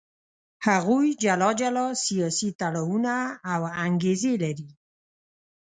هغوی جلا جلا سیاسي تړاوونه او انګېزې لري.